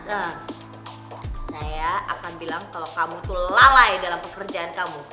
dan saya akan bilang kalo kamu tuh lalai dalam pekerjaan kamu